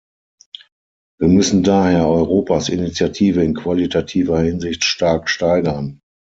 Wir müssen daher Europas Initiative in qualitativer Hinsicht stark steigern.